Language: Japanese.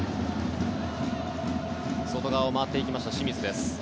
外側を回っていきました清水です。